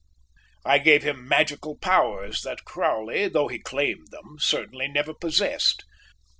I gave him magical powers that Crowley, though he claimed them, certainly never possessed.